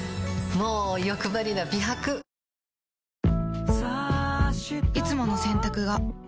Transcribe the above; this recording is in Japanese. もうよくばりな美白いつもの洗濯が